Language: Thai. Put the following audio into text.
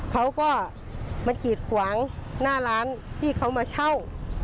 เขาก็มากีดขวางหน้าร้านที่เขามาเช่า